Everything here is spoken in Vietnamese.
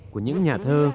của những nhà thơ